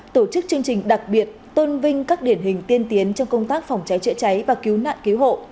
tổ chức chương trình đặc biệt tôn vinh các điển hình tiên tiến trong công tác phòng cháy chữa cháy và cứu nạn cứu hộ